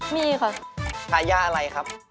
มีค่ะทายาทอะไรครับ